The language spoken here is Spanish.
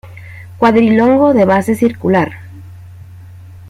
Cuadrilongo de base circular.